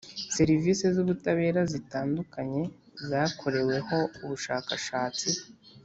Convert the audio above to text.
Serivisi z ubutabera zitandukanye zakoreweho ubushakashatsi